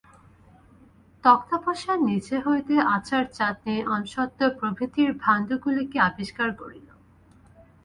তক্তাপোশের নীচে হইতে আচার চাটনি আমসত্ত্ব প্রভৃতির ভাণ্ডগুলিকে আবিষ্কার করিল।